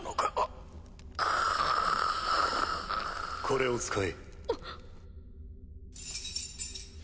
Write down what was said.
これを使え。